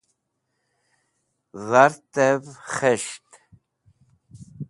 dhart'ev khes̃ht